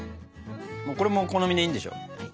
これもお好みでいいんでしょ？